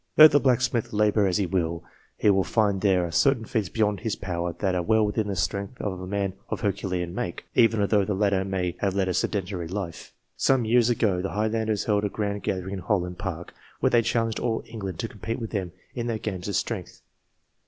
Let the blacksmith labour as he will, he will find there are certain feats beyond his power that are well within the strength of a man of herculean make, even although the latter may have led a sedentary life. Some years ago, the Highlanders held a grand gathering in Holland Park, where they challenged all England to compete with them in their games of strength.